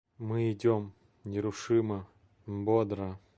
Мы идем нерушимо, бодро.